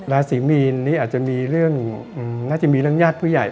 ราศีมีนนี้อาจจะมีเรื่องน่าจะมีเรื่องญาติผู้ใหญ่